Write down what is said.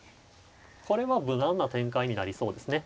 これは無難な展開になりそうですね。